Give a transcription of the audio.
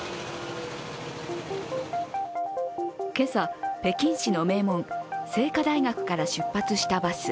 今朝、北京市の名門・清華大学から出発したバス。